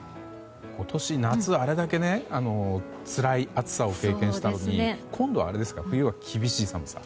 今年夏、あれだけつらい暑さを経験したのに今度の冬は、厳しい寒さ？